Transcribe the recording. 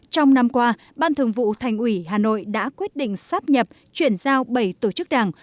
trong năm qua ban thường vụ thành ủy hà nội đã quyết định sắp nhập chuyển giao bảy tổ chức đảng